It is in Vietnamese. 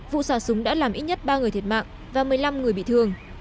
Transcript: vụ xả súng đã làm ít nhất ba người thiệt mạng và một mươi năm người bị thương